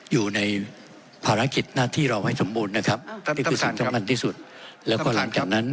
ท่านประธานรู้สึกดีว่าข้างนอกมันยังไง